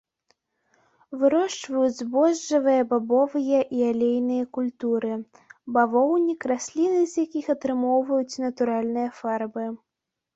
Вырошчваюць збожжавыя, бабовыя і алейныя культуры, бавоўнік, расліны, з якіх атрымоўваюць натуральныя фарбы.